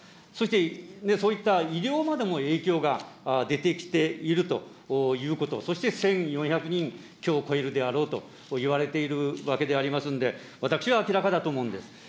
そして、そういった医療までも影響が出てきているということ、そして１４００人、きょう、超えるであろうといわれているわけでありますんで、私は明らかだと思うんです。